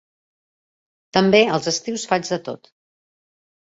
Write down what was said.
També, els estius faig de tot.